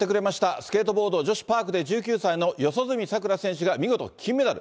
スケートボード女子パークで、１９歳の四十住さくら選手が見事金メダル。